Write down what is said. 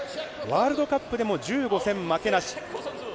ワールドカップでも１５戦負けなし。